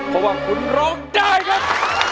ก็ว่าคุณรองได้กัน